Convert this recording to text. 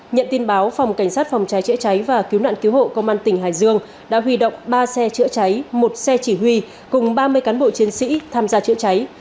nhận tin báo phòng cảnh sát phòng cháy chữa cháy và cứu nạn cứu hộ công an tỉnh hải dương đã huy động ba xe chữa cháy một xe chỉ huy cùng ba mươi cán bộ chiến sĩ tham gia chữa cháy